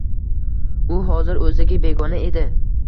U hozir oʻziga begona edi